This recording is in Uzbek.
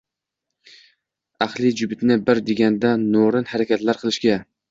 – ahli Jibutini “bir deganda” noo‘rin harakatlar qilishga